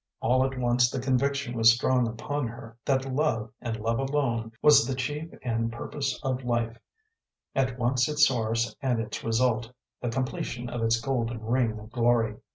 All at once the conviction was strong upon her that love, and love alone, was the chief end and purpose of life, at once its source and its result, the completion of its golden ring of glory.